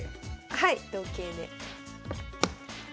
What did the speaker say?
はい同桂で。